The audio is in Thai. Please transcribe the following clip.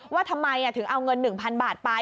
ว่าทำไมถึงเอาเงิน๑๐๐๐บาทไป